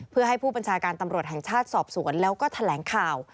เพื่อให้ผู้บัญชาการตำรวจแห่งชาติสอบสวนแล้วก็แถลงข่าว